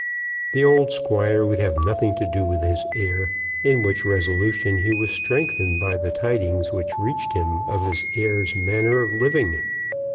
The old Squire would have nothing to do with his heir, in which resolution he was strengthened by the tidings which reached him of his heir's manner of living.